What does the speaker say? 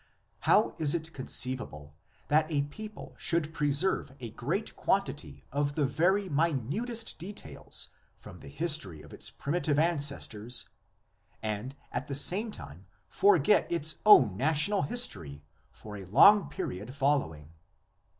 How is it conceivable that a people should preserve a great quantity of the very minut est details from the history of its primitive ancestors and at the same time forget its own national history SIGNIFICANCE OF THE LEGENDS. 1 for a long period following?